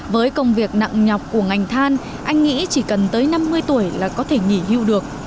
với công việc nặng nhọc của ngành than anh nghĩ chỉ cần tới năm mươi tuổi là có thể nghỉ hưu được